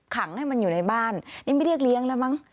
ขังให้มันอยู่ในบ้านนี่ไม่เรียกเลี้ยงแล้วมั้ง